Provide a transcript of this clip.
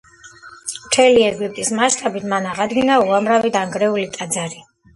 მთელი ეგვიპტის მასშტაბით მან აღადგინა უამრავი დანგრეული ტაძარი.